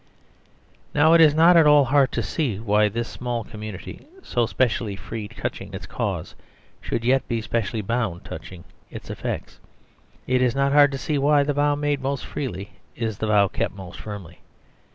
Now it is not at all hard to see why this small community, so specially free touching its cause, should yet be specially bound touch ing its effects. It is not hard to see why the vow made most freely is the vow kept most firmly.